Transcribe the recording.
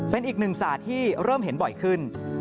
เป็นอีกหนึ่งศาสตร์ที่เริ่มเห็นบ่อยขึ้น